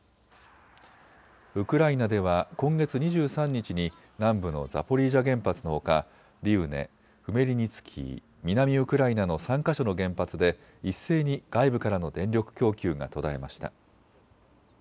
ウクライナでは今月２３日に南部のザポリージャ原発のほかリウネ、フメリニツキー、南ウクライナの３か所の原発で一斉に外部からの電力供給が途絶えました。